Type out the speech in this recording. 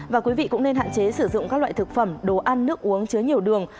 và quý vị cũng nên hạn chế sử dụng các loại thực phẩm đồ ăn nước uống chứa nhiều đường